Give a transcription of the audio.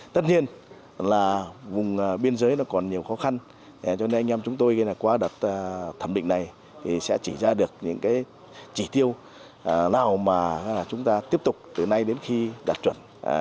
tất nhiên là vùng biên giới còn nhiều khó khăn cho nên anh em chúng tôi qua đặt thẩm định này sẽ chỉ ra được những chỉ tiêu nào mà chúng ta tiếp tục từ nay đến khi đạt chuẩn